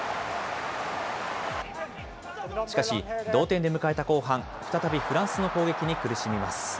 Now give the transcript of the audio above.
しかし、同点で迎えた後半、再びフランスの攻撃に苦しみます。